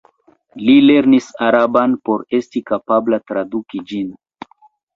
Li lernis araban por esti kapabla traduki ĝin.